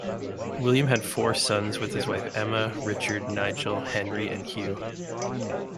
William had four sons, with his wife Emma; Richard, Nigel, Henry and Hugh.